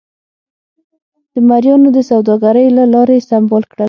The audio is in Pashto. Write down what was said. د مریانو د سوداګرۍ له لارې سمبال کړل.